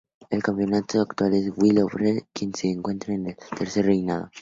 El campeón actual es Will Ospreay, quien se encuentra en su tercer reinado.